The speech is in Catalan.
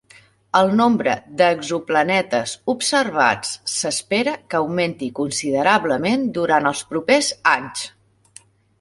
El nombre d'exoplanetes observats s'espera que augmenti considerablement durant els propers anys.